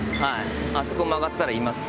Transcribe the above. あそこ曲がったらいます。